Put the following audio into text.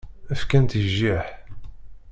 Fkan-tt i jjiḥ.